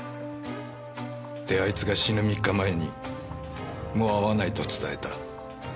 であいつが死ぬ３日前にもう会わないと伝えた。